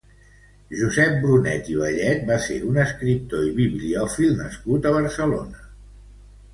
Josep Brunet i Bellet va ser un escriptor i bibliòfil nascut a Barcelona.